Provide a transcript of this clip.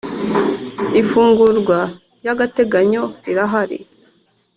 ifungurwa ry ‘agateganyo rirahari.